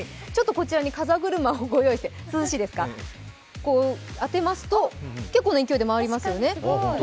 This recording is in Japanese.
こちらに風車をご用意して、当てますと、結構な勢いで回りますよね。